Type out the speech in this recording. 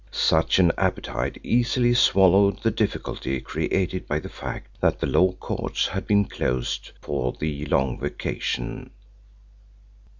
Such an appetite easily swallowed the difficulty created by the fact that the Law Courts had been closed for the long vacation.